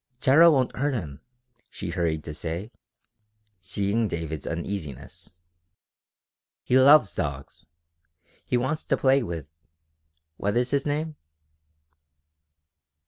"Tara won't hurt him," she hurried to say, seeing David's uneasiness. "He loves dogs. He wants to play with ... what is his name?"